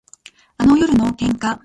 あの夜の喧嘩